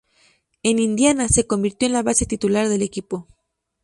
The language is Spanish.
En Indiana se convirtió en la base titular del equipo.